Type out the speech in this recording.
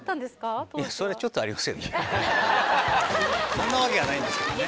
そんなわけがないんですけどね。